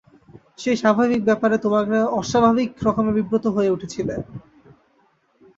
সেই স্বাভাবিক ব্যাপারে তোমরা অস্বাভাবিক রকমের বিব্রত হয়ে উঠেছিল।